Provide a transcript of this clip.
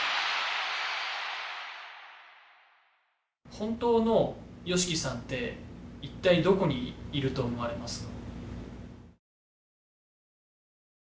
本当のＹＯＳＨＩＫＩさんっていったいどこにいると思われますか？